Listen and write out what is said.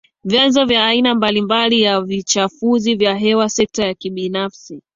vyanzo vya aina mbali mbali ya vichafuzi vya hewa Sekta ya kibinafsi